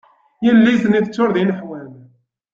Yelli-s-nni teččur d ineḥwan.